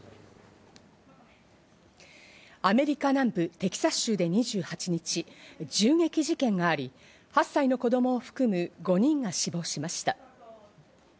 アメリカ南部テキサス州で２８日、銃撃事件があり、８歳の子供を含む５人が死亡しました。